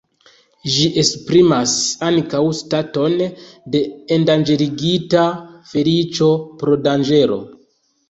Ĝi esprimas ankaŭ staton de endanĝerigita feliĉo pro danĝero.